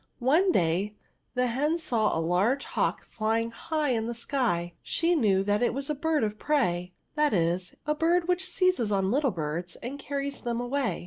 One day the hen saw a large hawk flying high up in the air. She knew that it was a bird of prey, that is, a bird which seizes on small birds, and carries them away.